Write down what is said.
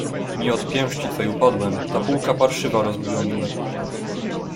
"Nie od pięści twej upadłem, ta półka parszywa rozbiła mi łeb."